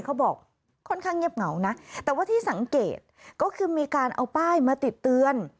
เขาบอกค่อนข้างเงียบเหงานะแต่ว่าที่สังเกตก็คือมีการเอาป้ายมาติดเตือน